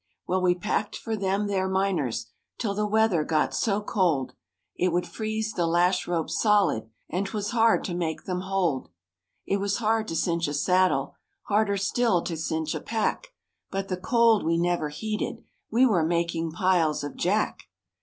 Well, we packed for them there miners, 'Till the weather got so cold It would freeze the lash ropes solid, And 'twas hard to make them hold; It was hard to cinch a saddle, Harder still to cinch a pack, But the cold we never heeded; We were making piles of "jack."